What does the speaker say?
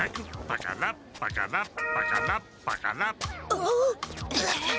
あっ！